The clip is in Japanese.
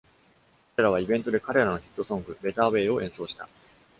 彼らはイベントで彼らのヒットソング「ベターウェイ」を演奏した。